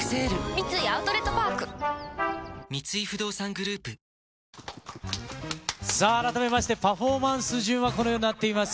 三井アウトレットパーク三井不動産グループさあ、改めまして、パフォーマンス順はこのようになっています。